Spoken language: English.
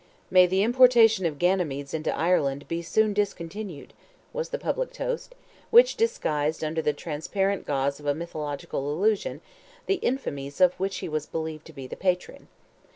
"May the importation of Ganymedes into Ireland, be soon discontinued," was the public toast, which disguised under the transparent gauze of a mythological allusion, the infamies of which he was believed to be the patron.